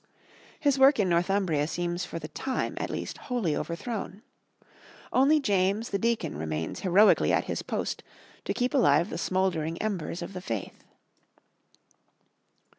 His work in Northumbria seems for the time, at least, wholly overthrown. Only James the Deacon remains heroically at his post to keep alive the smouldering embers of the faith.